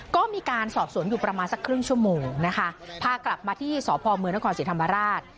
ก็มีการสอบสวนอยู่ประมาณสักครึ่งชั่วโมงนะคะพากลับมาที่สพมนครศรีธรรมราช